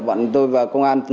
vẫn tôi và công an